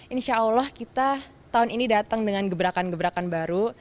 insya allah kita tahun ini datang dengan gebrakan gebrakan baru